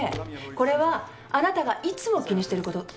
これはあなたがいつも気にしてることでしょ？